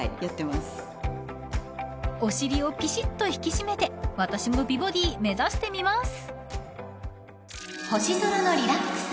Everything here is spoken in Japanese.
［お尻をピシっと引き締めて私も美ボディー目指してみます］